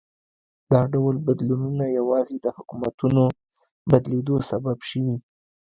دا ډول بدلونونه یوازې د حکومتونو بدلېدو سبب شوي.